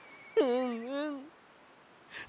うんうん！